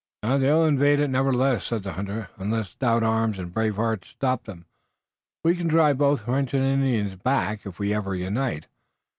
"They'll invade it, nevertheless," said the hunter, "unless stout arms and brave hearts stop them. We can drive both French and Indians back, if we ever unite.